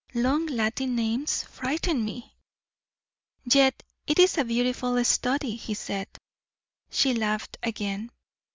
Long Latin names frighten me." "Yet it is a beautiful study," he said. She laughed again.